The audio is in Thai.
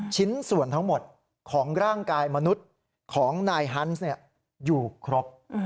ชิ้นส่วนทั้งหมดของร่างกายมนุษย์ของนายฮันส์อยู่ครบ